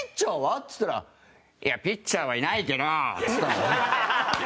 っつったら「いや、ピッチャーはいないけど」っつった。